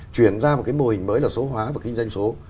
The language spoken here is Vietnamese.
chuyển ra một cái mô hình mới là số hóa và kinh doanh số